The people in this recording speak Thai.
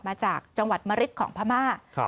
มาจากจังหวัดมะริดของพม่า